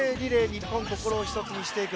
日本、心を１つにしていく。